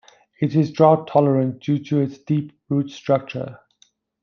It is drought tolerant due to its deep root structure.